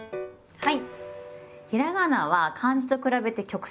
はい。